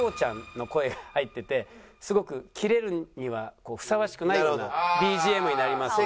の声が入っててすごくキレるにはふさわしくないようなＢＧＭになりますので。